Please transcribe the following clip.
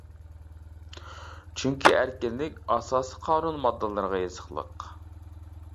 چۈنكى ئەركىنلىك ئاساسىي قانۇن ماددىلىرىغا يېزىقلىق.